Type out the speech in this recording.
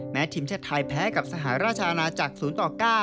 แม้ทีมชาติไทยแพ้กับสหราชาณาจักรศูนย์ต่อ๙